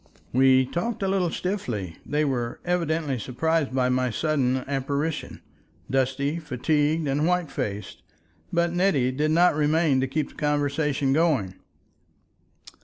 We talked a little stiffly—they were evidently surprised by my sudden apparition, dusty, fatigued, and white faced; but Nettie did not remain to keep the conversation going.